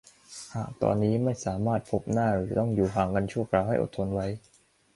หากตอนนี้ไม่สามารถพบหน้าหรือต้องอยู่ห่างกันชั่วคราวให้อดทนไว้